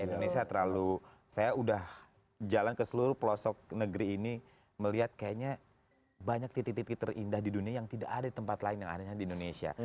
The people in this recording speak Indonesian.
indonesia terlalu saya udah jalan ke seluruh pelosok negeri ini melihat kayaknya banyak titik titik terindah di dunia yang tidak ada tempat lain yang adanya di indonesia